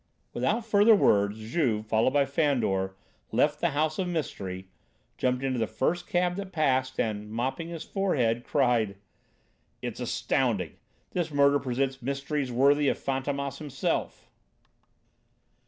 Without further words, Juve, followed by Fandor, left the house of mystery, jumped into the first cab that passed and, mopping his forehead, cried: "It's astounding! This murder presents mysteries worthy of Fantômas himself!"